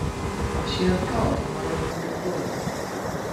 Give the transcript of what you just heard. She had thought he might have been employed.